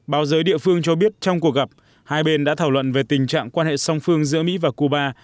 báo giới địa phương cho biết trong cuộc gặp hai bên đã thảo luận về tình trạng quan hệ song phương giữa mỹ và cuba